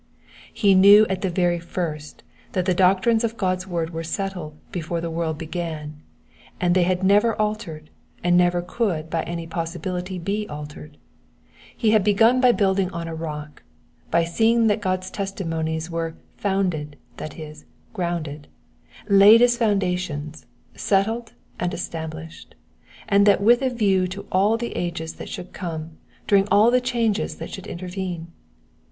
He knew at the very first that the doctrines of God^s word were settled before the world besan, that they had never altered, and never could by any possibility be altered. He had be^n by building on a rock, by seeing that God's testimonies were founded,'* tnat is, grounded, laid as foundations, settled and established ; and that with a view to all the ages that should come, during all the changes that should intervene.